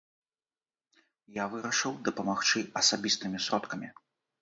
Я вырашыў дапамагчы асабістымі сродкамі.